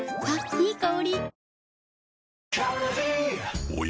いい香り。